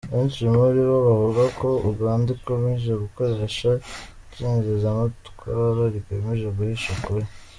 Benshi muri bo bavuga ko Uganda ikomeje gukoresha icengezamatwara rigamije guhisha ukuri.